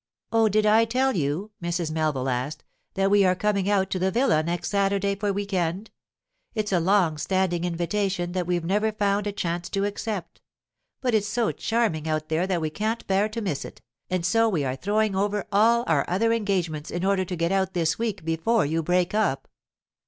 'Oh, did I tell you,' Mrs. Melville asked, 'that we are coming out to the villa next Saturday for "week end"? It's a long standing invitation, that we've never found a chance to accept. But it's so charming out there that we can't bear to miss it, and so we are throwing over all our other engagements in order to get out this week before you break up.